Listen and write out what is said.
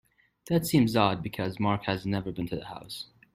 That seems odd because Mark has never been to the house.